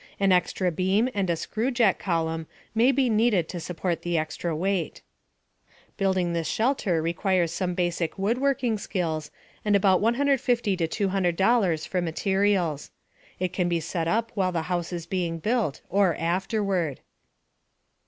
An extra beam and a screwjack column may be needed to support the extra weight. Building this shelter requires some basic woodworking skills and about $150 $200 for materials. It can be set up while the house is being built, or afterward.